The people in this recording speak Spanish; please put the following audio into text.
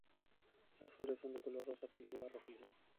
Las flores son de color rosa pálido a rojizo.